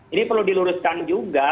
ini perlu diluruskan juga